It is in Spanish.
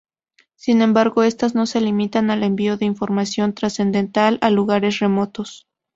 Sin embargo, estas no se limitan al envío de información transcendental a lugares remotos.